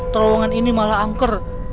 terowongan ini malah angker